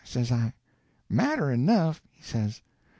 says I. "Matter enough!" he says.